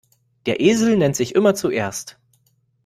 Der Esel nennt sich immer zuerst.